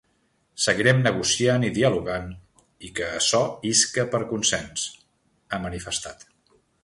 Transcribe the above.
“Seguirem negociant i dialogant i que açò isca per consens”, ha manifestat.